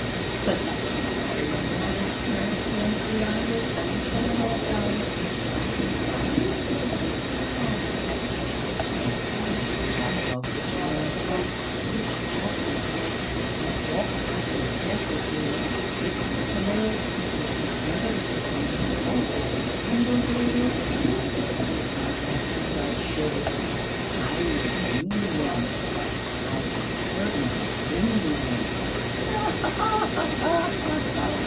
But that is no matter, no matter, your Excellency. I will tell you all about it.... And I will buy you a new lapdog, your Excellency.... A wonderful lapdog! Such a long coat, such short little legs, it can't walk more than a step or two: it runs a little, gets entangled in its own coat, and tumbles over. One feeds it on nothing but sugar. I will bring you one, I will certainly bring you one." "Ha ha ha ha ha!"